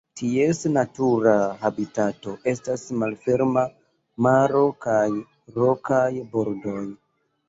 Ties natura habitato estas malferma maro kaj rokaj bordoj.